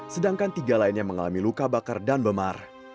sedangkan tiga lainnya mengalami luka bakar dan memar